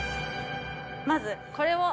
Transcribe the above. まずこれを。